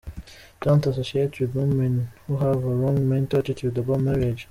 Don’t associate with women who have a wrong mental attitude about marriage.